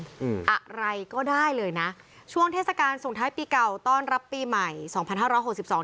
อืมอะไรก็ได้เลยนะช่วงเทศกาลส่งท้ายปีเก่าต้อนรับปีใหม่สองพันห้าร้อยหกสิบสอง